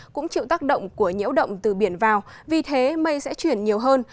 cũng chịu tác động của nhiễu động từ biển vào vì thế mây sẽ chuyển nhiều hơn